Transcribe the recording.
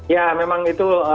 ya memang itu